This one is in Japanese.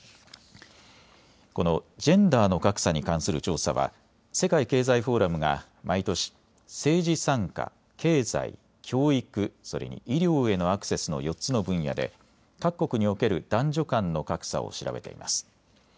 このジェンダーの格差に関する調査は世界経済フォーラムが毎年政治参加、経済、教育、それに医療へのアクセスの４つの分野で各国における男女間の格差を調べています。